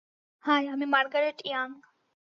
High, আমি Margaret young.